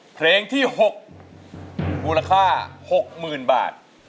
เพลงที่๖มูลค่า๖๐๐๐บาท